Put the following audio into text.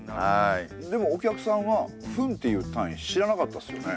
でもお客さんは「分」っていう単位知らなかったですよね。